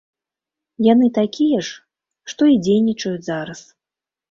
Яны такія ж, што і дзейнічаюць зараз.